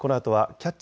「キャッチ！